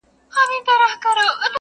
o وروري به کوو، حساب تر منځ!